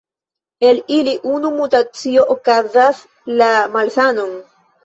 El ili unu mutacio okazas la malsanon.